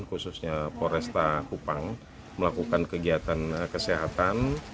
khususnya polres kupangkota melakukan kegiatan kesehatan